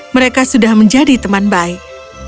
mereka sudah menjadi teman baik